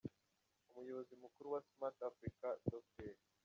Umuyobozi mukuru wa Smart Africa, Dr.